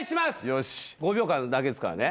よし５秒間だけですからね